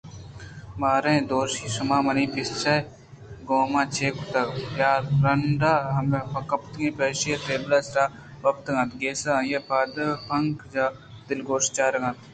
باریں دوشی شما منی پِشّی ءِ گوما چےکُتگ ؟ یک زنڈ ءُہمپیتگیں پِشّی ئے ٹیبل ءِ سرا وپتگ اَتءُگیسا آئی ءِ پادءُپنجگاں دلگوش ءَ چارگ ءَ اَت